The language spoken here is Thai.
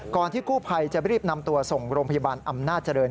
ที่กู้ภัยจะรีบนำตัวส่งโรงพยาบาลอำนาจเจริญ